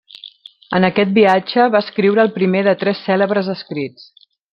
En aquest viatge va escriure el primer de tres cèlebres escrits.